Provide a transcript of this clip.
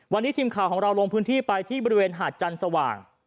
วันนี้ทีมข่าวของเราลงพื้นที่ไปที่บริเวณหาดจันทร์สว่าง